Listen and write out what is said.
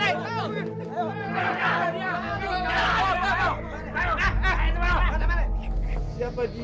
istri mana mungkin manusia yang punya istri seekor babi